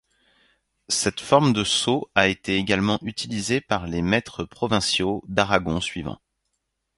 Cette forme de sceau a été également utilisée par les maîtres provinciaux d'Aragon suivants.